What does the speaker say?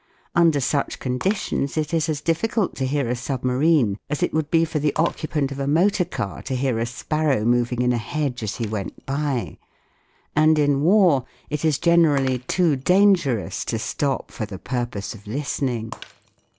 Under such conditions it is as difficult to hear a submarine as it would be for the occupant of a motor car to hear a sparrow moving in a hedge as he went by. And in war it is generally too dangerous to stop for the purpose. of listening.